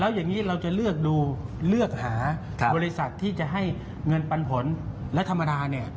อย่างนี้เราจะเลือกดูเลือกหาบริษัทที่จะให้เงินปันผลและธรรมดาเนี่ย